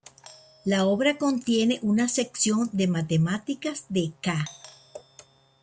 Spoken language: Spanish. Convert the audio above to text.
La obra contiene una sección de matemáticas de "ca.